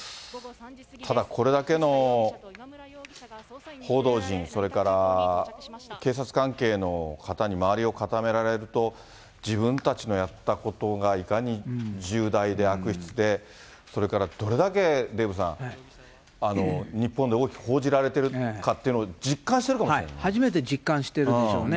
ただ、これだけの報道陣、それから警察関係の方に周りを固められると、自分たちのやったことがいかに重大で悪質で、それからどれだけデーブさん、日本で大きく報じられてるかっていうのを、初めて実感してるんでしょうね。